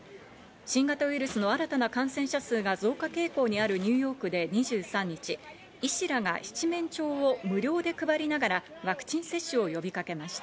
新型ウイルスの新たな感染者数が増加傾向にあるニューヨークで２３日、医師らが七面鳥を無料で配りながらワクチン接種を呼びかけました。